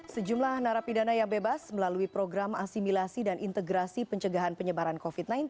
sejumlah narapidana yang bebas melalui program asimilasi dan integrasi pencegahan penyebaran covid sembilan belas